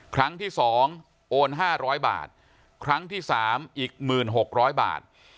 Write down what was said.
ครั้งที่สองโอนห้าร้อยบาทครั้งที่สามอีกหมื่นหกร้อยบาท